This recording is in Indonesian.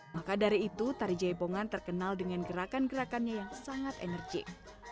maka dari itu tari jaipongan terkenal dengan gerakan gerakannya yang sangat enerjik